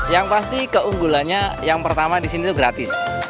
yang pasti keunggulannya yang pertama di sini itu gratis